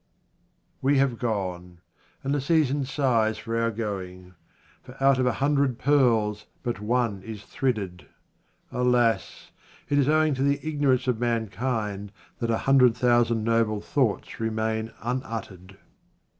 We have gone, and the season sighs for our going ; for out of a hundred pearls, but one is thridded. Alas ! it is owing to the igno rance of mankind that a hundred thousand noble thoughts remain unuttered.